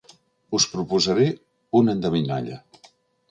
Us proposaré una endevinalla.